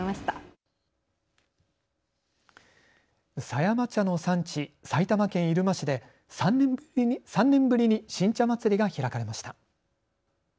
狭山茶の産地、埼玉県入間市で３年ぶりに新茶まつりが開かれました。